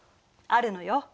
あるのよ。